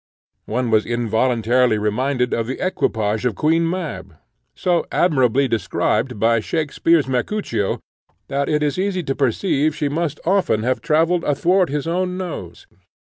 One was involuntarily reminded of the equipage of Queen Mab, so admirably described by Shakspeare's Mercutio, that it is easy to perceive she must often have travelled athwart his own nose.